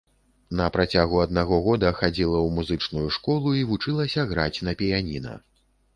На працягу аднаго года хадзіла ў музычную школу і вучылася граць на піяніна.